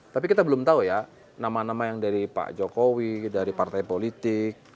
tapi kita belum tahu ya nama nama yang dari pak jokowi dari partai politik